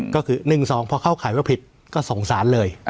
ก็คือ๑๒พอเข้าข่ายว่าผิดก็สงสารเลย